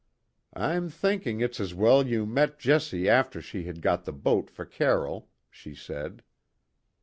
"I'm thinking it's as weel ye met Jessie after she had got the boat for Carroll," she said.